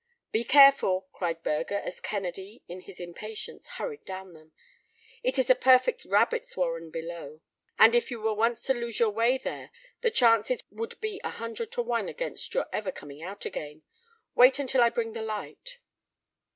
"Be careful!" cried Burger, as Kennedy, in his impatience, hurried down them. "It is a perfect rabbits' warren below, and if you were once to lose your way there the chances would be a hundred to one against your ever coming out again. Wait until I bring the light."